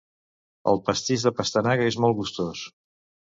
El pastís de pastanaga és molt gustós.